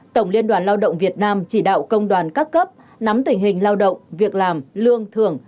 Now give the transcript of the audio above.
tổng liên đoàn lao động việt nam chỉ đạo công đoàn các cấp nắm tình hình lao động việc làm lương thưởng